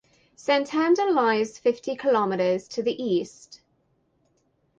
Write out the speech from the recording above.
Santander lies fifty kilometres to the east.